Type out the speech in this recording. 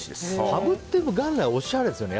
カブって元来おしゃれですよね。